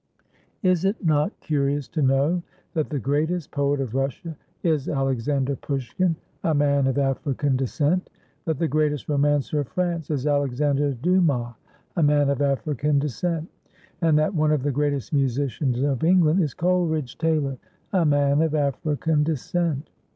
Is it not curious to know that the greatest poet of Russia is Alexander Pushkin, a man of African descent; that the greatest romancer of France is Alexander Dumas, a man of African descent; and that one of the greatest musicians of England is Coleridge Taylor, a man of African descent?